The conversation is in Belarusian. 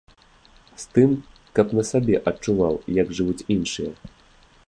З тым, каб на сабе адчуваў, як жывуць іншыя.